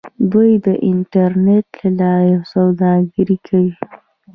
دوی د انټرنیټ له لارې سوداګري کوي.